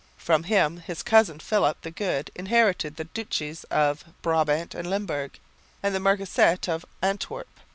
From him his cousin Philip the Good inherited the duchies of Brabant and Limburg and the marquisate of Antwerp.